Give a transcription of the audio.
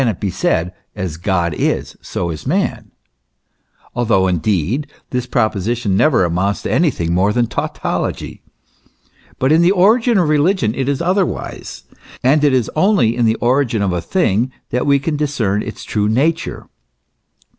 117 already become flesh and blood, can it be said as God is, so is man : although, indeed, this proposition never amounts to any thing more than tautology. But in the origin of religion it is otherwise; and it is only in the origin of a thing that we can discern its true nature.